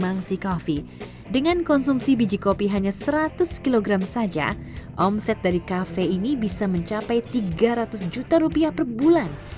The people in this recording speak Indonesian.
dan yang ketiga produk mangsih coffee dengan konsumsi biji kopi hanya seratus kg saja omset dari cafe ini bisa mencapai tiga ratus juta rupiah per bulan